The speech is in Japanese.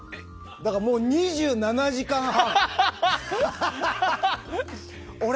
だから、もう２７時間半。